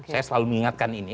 saya selalu mengingatkan ini